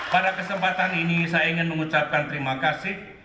pada kesempatan ini saya ingin mengucapkan terima kasih